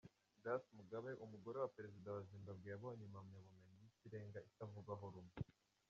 Grace Mugabe, umugore wa perezida wa Zimbabwe yabonye impamyabumenyi y'ikirenga itavugwaho rumwe.